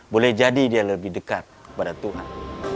boleh jadi dia lebih dekat kepada tuhan